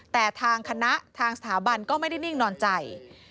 แต่ทางคณะทางสถาบันก็ไม่ได้นิ่งนอนใจ